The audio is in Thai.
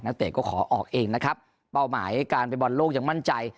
เตะก็ขอออกเองนะครับเป้าหมายการไปบอลโลกยังมั่นใจ